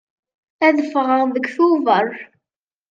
Ad ffɣeɣ deg Tubeṛ.